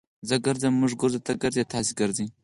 زه ګرځم. موږ ګرځو. تۀ ګرځې. تاسي ګرځئ.